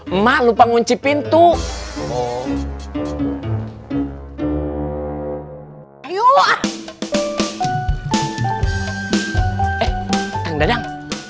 eh kang dadang